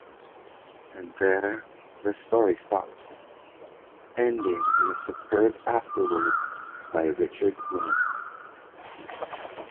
And there the story stops, ending in a superb afterword by Richard Snow.